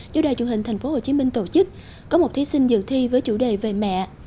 do đài truyền hình tp hcm tổ chức có một thí sinh dự thi với chủ đề về mẹ